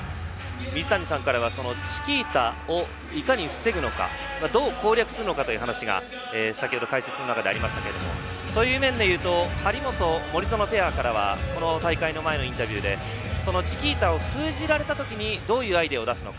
水谷さんからはチキータをいかに防ぐのかどう攻略するのかという話が解説の中でありましたけどそういう意味では張本、森薗ペアからはこの大会の前のインタビューでチキータを封じられた時にどういうアイデアを出すのか。